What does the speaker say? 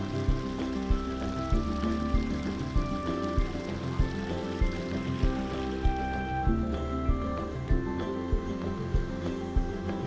mayat hidup keatiran sudah pada dan penyelamatan tidak berakhir